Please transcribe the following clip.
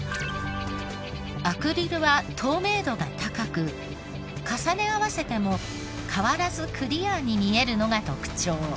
アクリルは透明度が高く重ね合わせても変わらずクリアに見えるのが特徴。